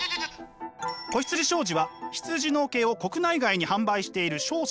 子羊商事は羊の毛を国内外に販売している商社。